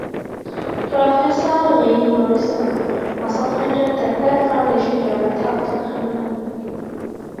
Professor Iain Morrison was appointed the third foundation director of the company.